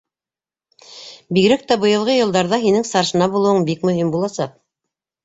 Бигерәк тә быйылғы йылдарҙа һинең старшина булыуың бик мөһим буласаҡ.